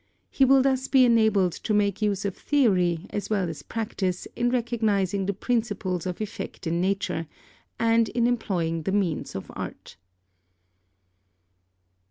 He will thus be enabled to make use of theory as well as practice in recognising the principles of effect in nature, and in employing the means of art.